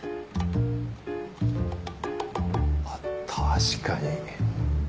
あっ確かに。